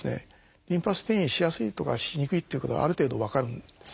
リンパ節に転移しやすいとかしにくいってことがある程度分かるんですね。